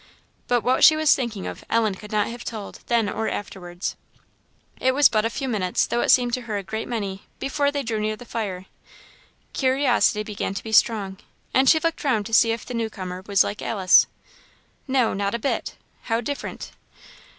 But what she was thinking of, Ellen could not have told, then or afterwards. It was but a few minutes, though it seemed to her a great many, before they drew near the fire. Curiosity began to be strong, and she looked round to see if the new comer was like Alice. No, not a bit how different!